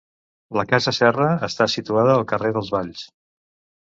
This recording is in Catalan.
La casa Serra està situada al carrer dels Valls.